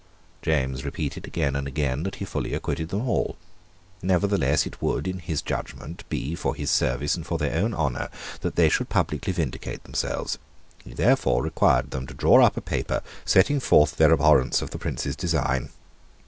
James repeated again and again that he fully acquitted them all. Nevertheless it would, in his judgment, be for his service and for their own honour that they should publicly vindicate themselves. He therefore required them to draw up a paper setting forth their abhorrence of the Prince's design.